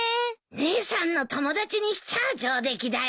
姉さんの友達にしちゃ上出来だよ。